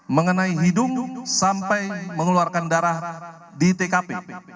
mengenai hidung sampai mengeluarkan darah di tkp